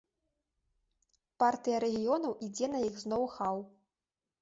Партыя рэгіёнаў ідзе на іх з ноў-хаў.